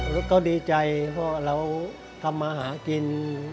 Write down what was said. แล้วก็ดีใจเพราะเราทำมาหากิน